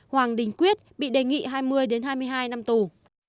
hoàng đình quyết bị đề nghị hai mươi hai mươi hai năm tù